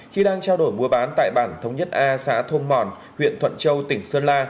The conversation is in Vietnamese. khi đang trao đổi mua bán tại bản thống nhất a xã thôn mòn huyện thuận châu tỉnh sơn la